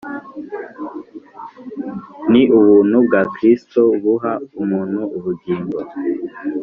Ni ubuntu bwa Kristo buha umuntu ubugingo